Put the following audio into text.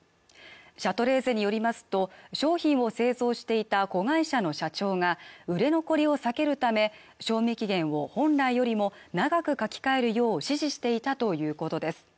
シャトレーゼによりますと商品を製造していた子会社の社長が売れ残りを避けるため賞味期限を本来よりも長く書き換えるよう指示していたということです